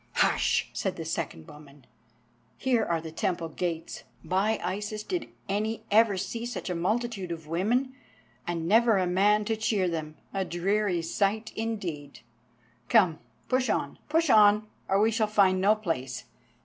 "Hush," said the second woman, "here are the Temple gates. By Isis did any ever see such a multitude of women, and never a man to cheer them, a dreary sight, indeed! Come, push on, push on or we shall find no place.